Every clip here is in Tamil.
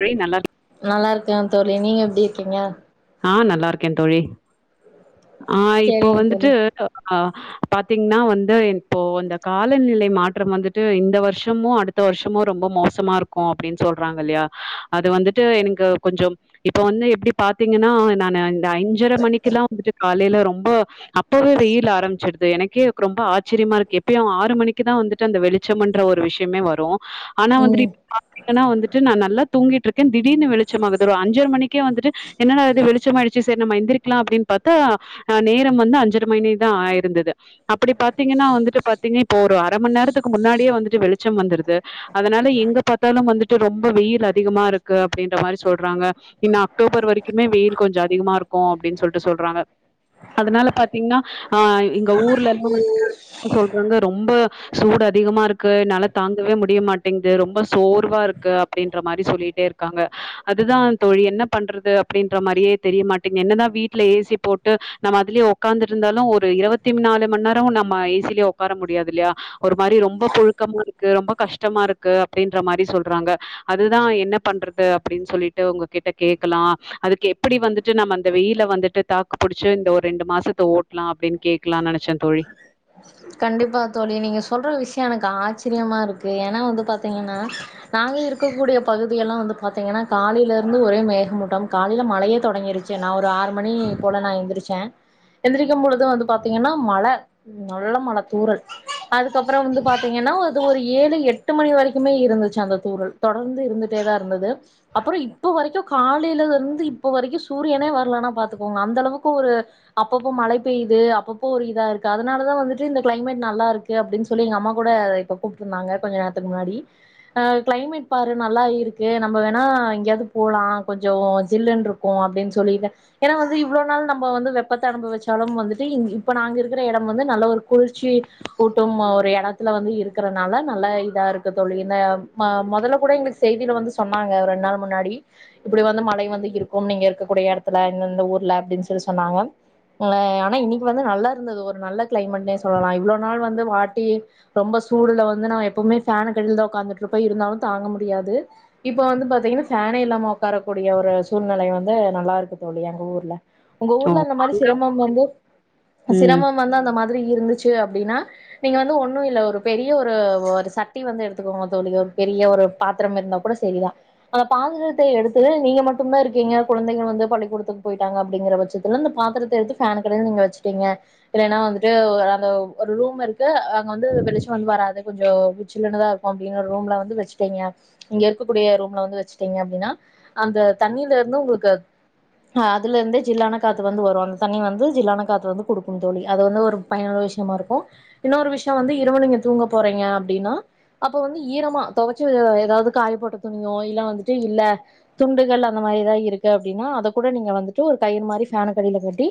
தோழி நல்லா இருக் நல்லா இருக்கே தோ ழி நீங்க எப்டி இருக்கீங்க ஆஹ் நல்லா இருக்கேன் தோழி ஆஹ் இப்போ சேரிங்க வந்துட்டு தோழி அ ஆஹ் பாத்தீங்கன்னா வந்து இப்போ அந்த காலநிலை மா மாற்றம் வந்துட்டு இந்த வருஷமு அடுத்த வருஷமு ரொம்ப மோசமா இருக்கு அப்டின்னு சொல்றாங்க இல்லையா அது வந்துட்டு எனக்கு கொஞ்சம் இப்ப வந்து எப்டி பாத் த்தீங்கன்னா நானு இந்த அஞ்சர மணிகெல்லா வந்துட்டு காலையில ரொம்ப அஹ் புது ரீல் ஆரம்பிச்சிருக் தே எனக்கே ரொம்ப ஆச்சரியமா இருக்கு எப்பயு ஆறு மணிக்கு தா வந்துட்டு அந்த வெளிச்சம்ன்ற ஒரு விஷயமே வரு ஆனா வந்துட்டு ம் இப் [inaudible] பாத்தீங்கன்னா வந்துட்டு நா நல்லா தூங்கிட்டு இருக் கேன் திடீர்னு வெளிச்சமாகது ஒரு அஞ்சர மணிக்கே வந்துட்டு என்னடா இது வெளிச்சமாய்டுச்சு செரி நம்ம எந்திரிக்கலா அப்டின்னு பாத்தா அஹ் நேரம் வந்து அஞ்சரை மணிதா ஆயிருந்தது அப்டி பாத்தீங்கன்னா வந்துட்டு பாத்தீங்க இப்போ ஒரு அர மணி நேரத்துக்கு முன்னாடியே வந்துட்டு வெளிச்சம் வந்துரு தே அதனால எங்க பாத்தாலு வந்துட்டு ரொம்ப வெயில் அதிகமா இருக்கு அப்டின்ற மாரி சொல்றாங்க இன்ன அக்டோபர் வரைக் குமே வெயில் கொஞ்சோ அதிகமா இருக்கு அப்டின்னு சொல்ட்டு சொல்றாங்க அதனால பாத்தீங்கன்னா அஹ் இங்க ஊர்ல [unintelligible] எல்லாம் சொல்றாங்க ரொம்ப சூடு அதிகமா இருக்கு என்னால தாங்கவே முடிய மாட்டேங்குது ரொம்ப சோர்வா இருக்கு அப்டின்ற மாரி சொல்லிட்டே இருக்காங்க அதுதா தோழி என்ன பண்றது அப்டின்ற மாரியே தெரியமாட்டேங் என்னதா வீட்டுல ஏ சி போட்டு நம்ம அதுலயே உக்காந்துட்டு இருந்தாலு ஒரு இருவத்தி நாலு மணி நேரமும் நம்ம ஏ சி லேயே உக்கார முடியாது இல்லையா ஒரு மாரி ரொம்ப புழுக்கமா இருக்கு ரொம்ப கஷ்டமா இருக்கு அப்டின்ற மாரி சொல்றாங்க அதுதா என்ன பண்றது அபபடின்னு சொல்லிட்டு உங்ககிட்ட கேட்கலா அதுக்கு எப்டி வந்துட்டு நம்ம அந்த வெயில வந்துட்டு தாக்கு புடிச்சு இந்த ஒரு ரெண்டு மாசத்த ஓட்டலா அப்டின்னு கேக்கலாம்னு நெனச்சேன் தோழி கண்டிப்பா தோழி நீங்க சொல்ற விசிய எனக் ஆ ச்சரியமா இருக்கு ஏன்னா வந்து பாத்தீங்கன்னா நாங்க இருக்கக்கூடிய பகுதி எல்லா வந்து பாத்தீங்கன்னா காலையில இருந்து ஒரே மேகமூட்டம் காலையில மழையே தொடங்கிருச்சு நா ஒரு ஆறு மணி போல நா எந்திரிச்சே எந்திரிக்கும் பொழுதும் வந்து பாத் தீங்கனா மழை நல்ல மழை தூரல் அதுக்கப்புற வந்து பாத்தீங்கன்னா அது ஒரு ஏழு எட்டு மணி வரைக்குமே இருந்துச்சு அந்த தூரல் தொடர்ந்து இருந்துட்டே தா இருந்தது அப்புறோ இப்ப வரைக்கு காலையில இருந்து இப்ப வரைக்கும் சூரியனே வரலானா பாத்துக்கோங்க அந்த அளவுக்கு ஒரு அப்பப்போ மழை பெய்யுது அப்போ இப்போ ஒரு இதா இருக்கு அதனால தா வந்துட்டு இந்த க்ளைமேட் நல்லா இருக்கு அப்டின்னு சொல்லி எங்க அம்மா கூட இப்ப கூப்ட்டு இருந்தாங்க கொஞ்ச நேரத்துக்கு முன்னாடி அஹ் க்ளைமேட் பாரு நல்லா இருக்கு நம்ப வேணா எங்கேயாவது போலா கொஞ்சோ ஜில்லுன்னு இருக்கு அப்டின்னு சொல்லிட்டு ஏன்னா வந்து இவ்ளோ நாள் நம்ம வந்து வெப்பத்தை அனுபவிச்சாலும் வந்துட்டு இங் இப் இப்ப நாங்க இருக்கிற இடம் வந்து நல்ல ஒரு குளிர்ச்சி ஊட்டும் ஒரு எடத்துல வந்து இருக்கறனால நல்லா இதா இருக்கு தோழி நஹ் ம மொதல்ல கூட எங்களுக்கு செய்தியில வந்து சொன்னாங்க ரெண்டு நாள் முன்னாடி இப்டி வந்து மழை வந்து இருக்கும் நீங்க இருக்கக்கூடிய இடத்துல இந்தந்த ஊர்ல அப்டின்னு சொல்லி சொன்னாங்க லஹ் ஆனா இனிக் வந்து நல்லா இருந்தது ஒரு நல்ல க்ளைமேட்னே சொல்லலாம் இவ்வளோ நாள் வந்து வாட்டி ரொம்ப சூடுல வந்து நம்ம எப்பவுமே ஃபேன்க்கு அடியில தா ஒக்காந்துட்டு இருப்போ இருந்தாலு தாங்க முடியாது இப்ப வந்து பாத்தீங்கன்னா ஃபேனே இல்லாம உக்காரக் கூடிய ஒரு சூழ்நிலை வந்து நல்லா இருக்கு தோழி எங்க ஊர்ல உங்க ஓ ஊர்ல அந்த மாரி அங்க சிரமம் வந்து ம். சிரமம் வந்தா நம் மாதிரி இருந்துச்சு அப்டின்னா நீங்க வந்து ஒன்னு இல்ல ஒரு பெரிய ஒரு ஒரு சட்டி வந்து எடுத்துக்கோங்க தோழி ஒரு பெரிய ஒரு பாத்திரம் இருந்தா கூட சரிதா அந்த பாத்திரத்த எடுத்து நீங்க மட்டுந்தா இருக்கீங்க கொழந்தைகள் வந்து பள்ளிக்கூடத்துக்கு போயிட்டாங்க அப்படிங்கிற பட்சத்துல அந்த பாத்திரத்த எடுத்து ஃபேன் கீழ நீங்க வச்சு ட்டிங்க இல்லன்னா வந்துட்டு ஒ அந்த ஒரு ரூம் இருக்கு அங்க வந்து வெளிச்சம் வந்து வராது கொஞ்சோ ஜில்லுனதா இருக்கும் அப்படின்னு ரூம்ல வந்து வச்சட்டீங்க இங்க இருக்கக்கூடிய ரூம்ல வந்து வச்சுட்டீங்க அப்டின்னா அந்த தண்ணியில இருந்து உங்களுக்கு அ அதுல இருந்ததே ஜில்லான காத்து வந்து வரும் அந்த தண்ணி வந்து ஜில்லான காத் து வந்து குடுக்கும் தோழி அது வந்து ஒரு பயனுள விஷயமா இருக்கு இன்னொரு விஷயம் வந்து இரவு நீங்க தூங்க போறீங்க அப்படின்னா அப்ப வந்து ஈரமா தொவைச்சு எதாவது காய போட்ட துணியோ இல்ல வந்துட்டு இல்ல துண்டுகள் அந்த மாரி ஏதாவது இருக்கு அப்டின்னா அத கூட நீங்க வந்துட்டு ஒரு கயிறு மாரி ஃபேன்க்கு அடியில கூட்டி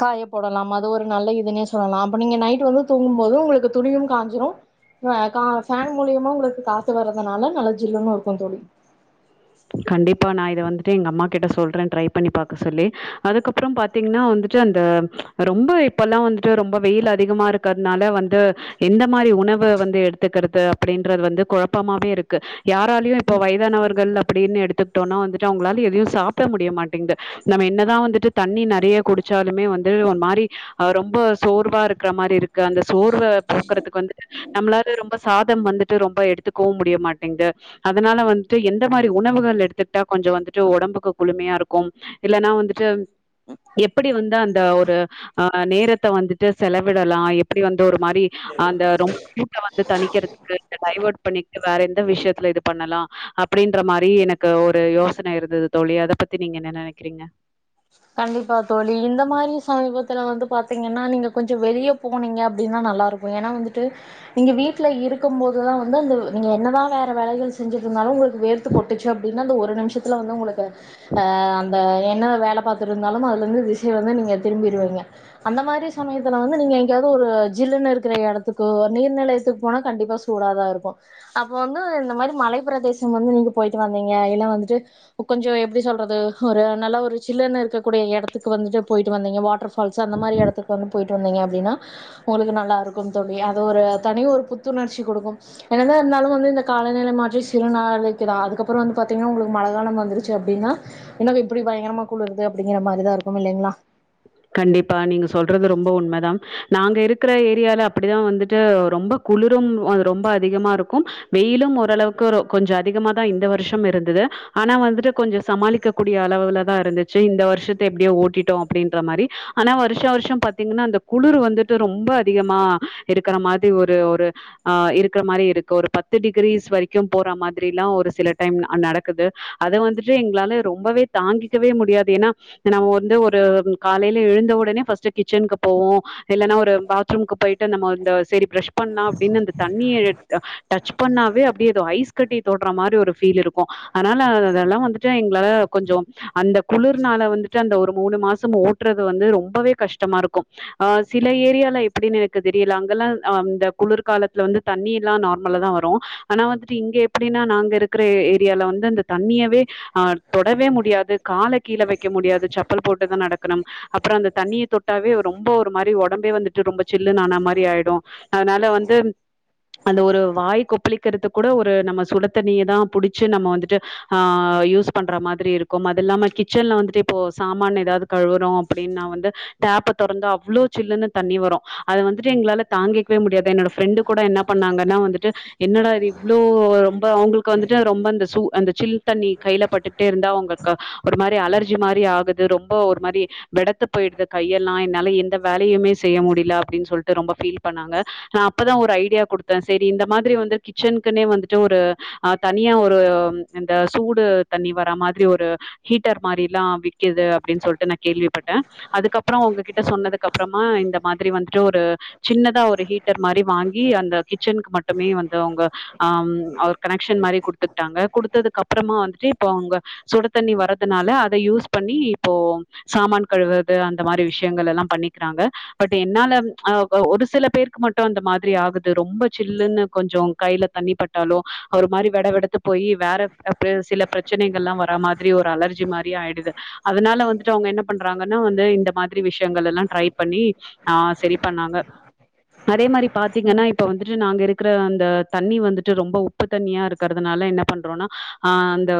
காய போடலாம் அது ஒரு நல்ல இதுன்னே சொல்லலா அப்ப நீங்க நைட் வந்து தூங்கும் போது உங்களுக்கு துணியும் காஞ்சிரு ஆ க ஃபேன் மூலியமா உங்களுக்கு காத்து வர்றதுனால நல்ல ஜில்லுன்னு இருக்கும் தோழி கண்டிப்பா நா இத வந்துட்டு எங்க அம்மா கிட்ட சொல்ற ட்ரை பண்ணி பாக்க சொல்லி அதுக்கப்பறோ பாத்தீங்கன்னா வந்துட்டு அந்த ரொம்ப இப்பெல்லா வந்துட்டு ரொம்ப வெயில் அதிகமா இருக்கறுனால வந்து எந்த மாரி உணவு வந்து எடுத்துக்கிறது அப்படின்றது வந்து குழப்பமாவே இருக்கு யாராலயு இப்ப வயதானவர்கள் அப்படின்னு எடுத்துக்கிட்டோனா வந்துட்டு அவங்களால எதையு சாப்ட முடிய மாட்டேங்குது நம்ம என்னதா வந்துட்டு தண்ணி நெறைய குடிச்சாலுமே வந்து ஒரு மாரி அ ரொம்ப சோர்வா இருக்கிற மாரி இருக்கு அந்த சோர்வ போக்குறதுக்கு வந்துட்டு நம்மளால ரொம்ப சாதம் வந்துட்டு ரொம்ப எடுத்துக்கவும் முடிய மாட்டேங்குது அதனால வந்துட்டு எந்த இந் மாரி உணவுகள் எடுத்துட்டா கொஞ்சொ வந்துட்டு உடம்புக்கு குழுமையா இருக்கும் இல்லன்னா வந்துட்டு எப்படி வந்தா அந்த ஒரு அ நேரத்த வந்துட்டு செலவிடலா எப்டி வந்து ஒரு மாரி அந்த ரொம் [inaudible] சூட்ட தணிக்கிறதுக்கு டைவர்ட் பண்ணிட்டு வேற எந்த விஷயத்துல இது பண்ணலா அப் அப்படின்ற மாரி எனக்கு ஒரு யோசன இருந்தது தோழி அத பத்தி நீங்க என்ன நெனைக்கிறீங்க கண்டிப்பா தோழி இந்த மாரி சமீபத்துல வந்து பாத்தீங்கன்னா நீங்க கொஞ்சொ வெளியே போனீங்க அப்படின்னா நல்லாருக்கு ஏன்னா வந்துட்டு நீங்க வீட்ல இருக்கும் போதுதா வந்து அந்த நீங்க என்னதா வேற வேலைகள் செஞ்சுட்டுருந்தாலு உங்களுக்கு வேர்த்து கொட்டுச்சு அப்படின்னா அந்த ஒரு நிமிஷத்துல வந்து உங்களுக்கு அ அந்த என்ன வேல பாக் திருந்தாலும் அதுல இருந்து திசை வந்து நீங்க திரும்பிடுவீங்க அந்த மாரி சமயத்துல வந்து நீங்க எங்காயவ்து ஒரு ஜில்லுனு இருக்குற எடத்துக்கோ நீர்நெலையத்துக்கு போனா கண்டிப்பா சூடதா இருக்கு அப்போ வந்து இந்த மாரி மலை பிரதேசம் வந்து நீங்க போய்ட்டு வந்தீங்க இல்ல வந்துட்டு கொஞ்சோ எப்டி சொல்றது ஒரு நல்ல ஒரு ஜில்லுனு க்கக்கூடிய எடத்துக்கு வந்துட்டு போயிட்டு வந்தீங்க வாட்டர் ஃபால்ஸ் அந்த மாரி எடத்துக்கு வந்து போயிட்டு வந்தீங்க அப்படின்னா உங்களுக்கு நல்லா இருக்கும் தோழி அது ஒரு தனி ஒரு புத்துணர்ச்சி குடுக்கும் என்னதா இருந்தாலு வந்து இந்த காலநிலை மாற்றி சிறு நாளைக்குக்குதா அதுக்கப்பறொ வந்து பாத்திங்கனா உங்களுக்கு மழ காலம் வந்துருச்சு அப்படின்னா என்னங்க இப்டி பயங்கரமா குளுருது டிங்கிற மாரிதா இருக்கும் இல்லைங்ளா கண்டிப்பா. நீங்க சொல்றது ரொம்ப உண்மதான். நாங்க இருக்கிற ஏரியால அப்டிதா வந்துட்டு ரொம்ப குளுரு அ ரொம்ப அதிகமா இருக்கு வெயிலும் ஓரளவுக்கு ஒரு கொஞ்ச அதிகமா தா இந்த வருஷம் இருந்தது ஆனா வந்துட்டு கொஞ்ச சமாளிக்க கூடிய அளவுலதா இருந்துச்சி இந்த வருஷத்த எப்டியோ ஓட்டிட்டோ அப்டின்ற மாரி ஆனா வருஷ வருஷோ பாத்தீங்கனா அந்த குளிரு வந்துட்டு ரொம்ப அதிகமா இருக்கிற மாதி ஒரு ஒரு ஆ இருக்கிற மாரி இருக்கு ஒரு பத்து டிகிரிஸ் வரைக்கு போற மாதிரிலா ஒரு சில டைம் அ நடக்குது அத வந்துட்டு எங்களால ரொம்பவே தாங்கிக்கவே முடியாது ஏனா நம்ம வந்து ஒரு ம் காலையில எழுந்த ஒடனே ஃபஸ்ட் கிச்சனுக் போவோ இல்லனா ஒரு பாத்ரூம்க்கு போய்ட்டு நம்ம இந்த செரி பிரஷ் பண்லா அப்டினு அந்த தண்ணிய அ டச் பண்ணாவே அப்டியே ஏதோ ஐஸ் கட்டி தொட்ற மாரி ஒரு ஃபீல் இருக்கு அதனால அதெதெல்லா வந்துட்டு எங்ளால கொஞ்சோ அந்த குளிர்னால வந்துட்டு அந்த ஒரு மூணு மாஸ் சிம்ம ஓட்டுறது வந்து ரொம்பவே கஷ்டமாருக்கு ஆ சில ஏரியால எப்டினு எனக்கு தெரியில அங்கல்லா ஆ இந்த குளிர்காலத்துல வந்து தண்ணி எல்லா நார்மலா தா வரு ஆனா வந்துட்டு இங்க எப்டினா நாங்க இருக்கிற எ ஏரியால வந்து அந்த தண்ணியவே அ தொடவே முடியாது கால கீழ வெக்க முடியாது செப்பல் போட் டு தா நடக்கனு அப்ற அந்த தண்ணிய தொட்டாவே ரொம்ப ஒரு மாரி ஒடம்பே வந்துட்டு ரொம்ப சில்லுனு ஆனமாரி ஆய்டு ஆனால வந்து அந்த ஒரு வாய் கொப்ளிக்கறதுக் கூட ஒரு நம்ம சுட தண்ணிய தா புடிச்சி நம்ம வந்துட்டு ஆ யூஸ் பண்ற மாதிரி இருக்கும் அது இல்லாம கிச்சன்ல வந்துட்டு இப்போ சாமானு எதாவது கழுவனு அப்டினா வந்து டேப்ப தொறந்தா அவ்ளோ சில்லுன்னு தண்ணி வரு அது வந்துட்டு எங்களால தாங்கிக்கவே முடியாது என்னோட ஃப்ரண்டு கூட என்ன பண்ணாங்கன்னா வந்துட்டு என்னா இது இவ்ளோ ரொம்ப அவுங்களுக்கு வந்துட்டு ரொம்ப இந்த சு அந்த சில் தண்ணி கையில பட்டுகிட்டே இருந்தா அவுங்களுக்கு ஒரு மாதிரி அலர்ஜி மாரி ஆகுது ரொம் ஒரு மாதிரி வெடத்து போயிடுது கையெலா என்னால எந்த வேலயுமே செய்ய முடில அப்டினு சொல்ட்டு ரொம்ப ஃபீல் பண்ணாங்க நா அப்பதா ஒரு ஐடியா குடுத்தா செரி இந்த மாதிரி கிட்சனுக்குன்னே வந்துட்டு ஒரு ஆ தனியா ஒரு இந்த சூடு தண்ணி வர்ற மாரி ஒரு ஹீட்டர் மாரியெல்லா விக்குது அப்டினு சொல்ட்டு நா கேள்விப்பட்டே அதுக்கப்புறோ உங்ககிட்ட சொன்னதுக்கப்பறமா இந்த மாரி வந் ஒரு சின்னதா ஒரு ஹீட்டர் மாரி வாங்கி அந்த கிச்சனுக்கு மட்டுமே வந்து அவங்க ஒரு கனெக்ஷன் மாரி குடுத்துக்கட்டாங்க குடுத்ததுக்கப்புறமா வந்துட்டு இப்ப அவங்க சுடு தண்ணி வரதுனால அதை யூஸ் பண்ணி இப்போ சாமான் கழுவுறது அந்த மாரி விஷயங்களெல்லா பண்ணிக்கிறாங்க பட் என்னால அ ஒரு சில பேருக்கு மட்டு அந்த மாதிரி ஆகுது ரொம்ப சில்லுன்னு கொஞ்சோ கையில தண்ணி பட்டாலு ஒரு மாதிரி வெட வெடத்து போயி வேற சில பிரச்சனைகல்லா வர மாரி ஒரு அலர்ஜி மாரியே ஆயிடுது அதுனால வந்துட்டு அவங்க என்ன பண்றாங்கனா வந்து இந்த மாரி விஷயங்கள் எல்லா ட்ரை பண்ணி ஆ செரி பண்ணாங்க அதே மாரி பாத்தீங்கன்னா இப்ப வந்துட்டு நாங்க இருக் இருக்குற அந்த தண்ணி வந்துட்டு ரொம்ப உப்பு தண்ணியா இருக்கறதுனால என்ன பண்றோன்னா ஆ அந்த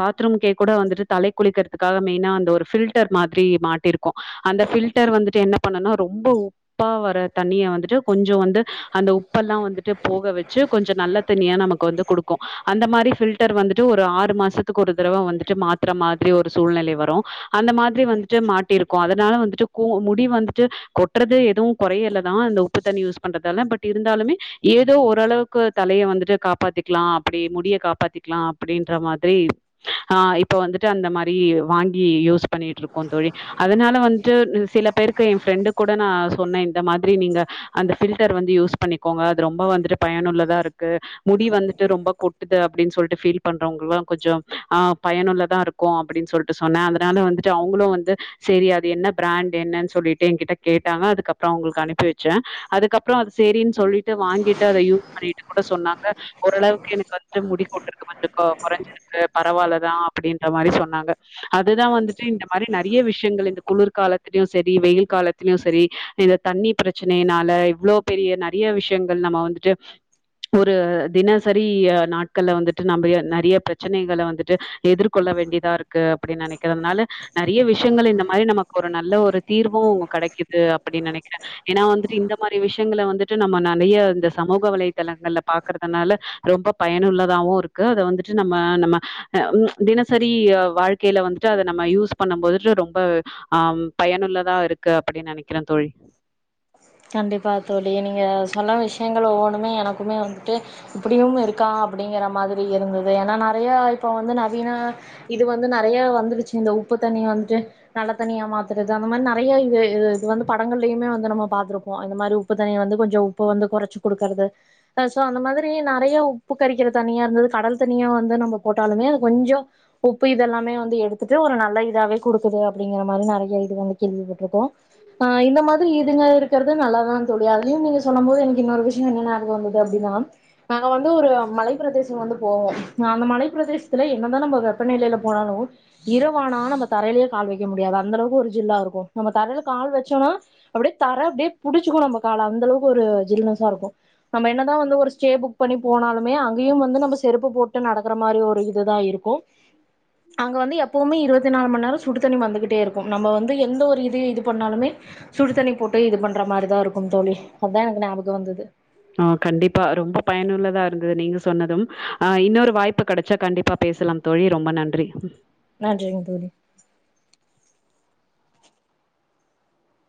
பாத்ரூம்கே கூட வந்துட்டு தலை குளிக்கிறதுக்காக மெயினா அந்த ஒரு பில்டர் மாதிரி மாட்டிருக்கோ அந்த பில்டர் வந்துட்டு என்ன பண்னுனா ரொம்ப உப்பா வர தண்ணிய வந்துட்டு கொஞ்சோ வந்து அந்த உப்பெல்லா வந்துட்டு போக வச்சு கொஞ்ச நல்ல தண்ணியா நமக் க்கு வந்து குடுக்கு அந்த மாரி ஃபில்டர் வந்துட்டு ஒரு ஆறு மாசத்துக்கு ஒரு தடவை வந்துட்டு மாத்துற மாதிரி ஒரு சூழ்நிலை வரு அந்த மாதிரி வந்துட்டு மாட்டி இருக்கூ அதுனால வந்துட்டு கு முடி வந்துட்டு கொட்டுறது எதுவு கொறயலதா இந்த உப்பு தண்ணி யூஸ் பண்றதால பட் இருந்தாலுமே எதோ ஓரளவுக்கு தலய வந்துட்டு காப்பாத்திக்கலா அப்டி முடிய காப்பாத்திக்கலா அப்டின்ற மாதிரி ஆ இப்ப வந்துட்டு அந்த மாரி வாங்கி இ யோஸ் மிஸ் பண்ணிட்டு இருக்கோ தோழி அதுனால வந்துட்டு சில பேருக்கு ஏ ஃப்ரண்டு கூட நா சொன்னேன் இந்த மாதிரி நீங்க அந்த பில்டர் வந்து யூஸ் பண்ணிக்கோங்க அது ரொம்ப வந்துட்டு பயனுள்ளதா இருக்கு முடி வந்துட்டு ரொம்ப கொட்டுது அப்டின்னு சொல்ட்டு பீல் பண்றவுங்கல்லா கொஞ்ச அ பயனுள்ளதா இருக்கூ அப்டின்னு சொல்ட்டு சொன்னே அதுனால வந்துட்டு அவங்களு வந்து செரி அது என்ன பிராண்ட் என்னனு சொல்ட்டு என்கிட்ட கேட்டாங்க அதுக்கப்பறம் அவங்களுக்கு அனுப்பி வச்சே அதுக்கப்பற அது செரின்னு சொல்லிட்டு வாங்கிட்டு அத யூஸ் பண்ணிட்டு கூட சொன்னாங்க ஓரளவுக்கு எனக்கு வந்து முடி கொட்டறது வந்து இப்ப கொறஞ்சிருக்கு பரவால்லதா அப்டின்ற மாரி சொன்னாங்க ச அதுதா வந்துட்டு இந்த மாரி நட் நிறய விஷயங்கள் இந்த குளிர்காலத்திலயு செரி வெயில் காலத்திலயு செரி இந்த தண்ணி பிரச்சனையினால இவ்ளோ பெரிய நெறய விஷயங்கள் நம்ம வந்துட்டு ஒரு தினசரி நாட்கள வந்துட்டு நம்ம நெறய பிரச்சனைகள வந்துட்டு எதிர்கொள்ள வேண்டிய கு அப்டி நெனைக்கிறதுனால நெறய விஷயங்கள் இந்த ம மாரி நமக்கு ஒரு நல்ல ஒரு தீர்வு கெடைக்குது அப்டினு நெனக்கிறே ஏன்னா வந்துட்டு இந்த மாரி விஷயங்கல வந்துட்டு நம்ம நெறையா இந்த சமூக வலைதளங்கள்ல பாக்கறதுனால ரொம்ப பயனுள்ளதாவு இருக்கு அத வந்துட்டு நம்ம நம்ம தினசரி வாழ்க்கையில வந்துட்டு அத நம்ம யூஸ் பண்ணும் போதுட்டு ரொம்ப ஆ பயனுள்ளதா இருக்கு அப்டினு நெனக்கிறே தோழி கண்டிப்பா தோழி நீங்க சொன்ன விஷயங்கள் ஒவ்வண்ணுமே எனக்குமே வந்துட்டு இப்டியும் இருக்கா அப்டிங்கிற மாதிரி இருந்துது ஏன்னா நெறையா இப்ப வந்து நெறையா இது வந்து நெறையா வந்துருச்சு இந்த உப்பு தண்ணிய வந்துட்டு நல்ல தண்ணியா மாத்துறது தா அந்த மாரி நெறையா இது இது வந்து படங்கள்லயும் வந்து நம்ம பாத்துருப்போ அந்த மாரி உப்பு தண்ணிய வந்து கொஞ்ச உப்பு வந்து கொறச்சு குடுக்குறது அ சோ அந்த மாரி நெறயா உப்பு கறிக்கிற தண்ணியா இருந்தது கடல் தண்ணியு வந்து நம்ம போட்டாலுமே அது கொஞ்சோ உப்பு இதெல்லாமே வந்து எடுத்துட்டு ஒரு நல்ல இதாவே குடுக்குது அப்டிங்கற மாரி நெறைய இது வந்து கேள்விப்பட்ருக்கோ அ இந்த மாதிரி இதுங்க இருக் சொல்றது நல்லாதா தோழி அதையும் நீங்க சொல்லம் போது எனக்கு இன்னொரு விஷயம் என்ன நியாபகம் வந்துது அப்டின்னா நாங்க வந்து ஒரு மலைப்பிரதேசம் வந்து போவோ அந்த மலைப்பிரதேசத்துல என்னதா நம்ம வெப்பநிலைய்ல போனாலு இரவானா நம்ம தரையிலயே கால் வைக்க முடியாது அந்த அளவுக்கு ஒரு ஜில்லா இருக்கு நம்ம தரைய்ல கால் வச்சோம்னா அப்டியே தர அப்டியே புடிச்சுக்கனும் நம்ம கால அந்த அளக்கு ஒரு ஜில்னஸ்சா இருக்கு நாம என்னதா வந்து ஒரு ஸ்டே புக் பண்ணி போனாலுமே அங்கயும் வந்து நாம செருப்பு போட்டு நடக்கற மாரி ஒரு இதுதா இருக்கு அங்க வந்து எப்பவுமே இருவத்தி நாலு மண் நேரொ சுடு தண்ணி வந்துகிட்டே இருக்கும் நம்ம வந்து எந்த ஒரு இது இது பண்ணாலுமே சுடு தண்ணி போட் ண்ற மாரிதா இருக்கும் தோழி அதா எனக்கு ஞாபகோ வந்தது ஆ கண்டிப்பா ரொம்ப பயனுள்ளதா இரு இருந்தது நீங்க சொன்னதும் ஆஹ் இன்னொரு வாய்ப்பு கெடச்சா கண்டிப்பா பேசலாம் தோழி ரொம்ப நன்றி நன்றிங்க தோழி